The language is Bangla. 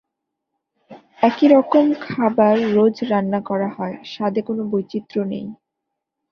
একই রকম খাবার রোজ রান্না করা হয়, স্বাদে কোনো বৈচিত্র্য নেই।